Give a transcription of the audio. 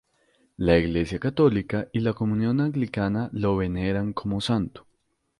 La Iglesia católica y la Comunión Anglicana lo veneran como santo.